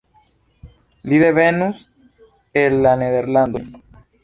Li devenus el la Nederlandoj.